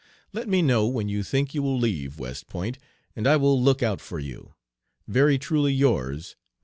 Let me know when you think you will leave West Point, and I will look out for you. Very truly yours